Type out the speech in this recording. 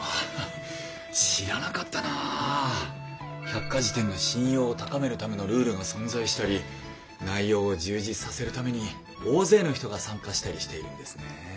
百科事典の信用を高めるためのルールが存在したり内容を充実させるために大勢の人が参加したりしているんですね。